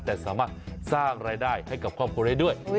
แต่สามารถสร้างรายได้ให้กับครอบครัวได้ด้วย